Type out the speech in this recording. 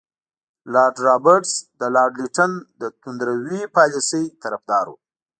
لارډ رابرټس د لارډ لیټن د توندروي پالیسۍ طرفدار وو.